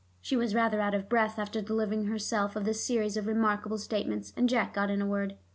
She was rather out of breath after delivering herself of this series of remarkable statements, and Jack got in a word.